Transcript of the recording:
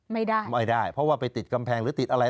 ไม่ได้ไม่ได้เพราะว่าไปติดกำแพงหรือติดอะไร